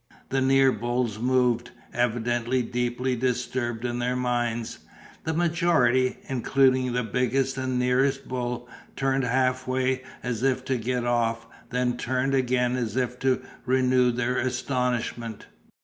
The near bulls moved, evidently deeply disturbed in their minds. The majority, including the biggest and nearest bull, turned half away as if to get off, then turned again as if to renew their astonishment.